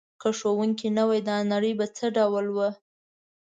که ښوونکی نه وای دا نړۍ به څه ډول وه؟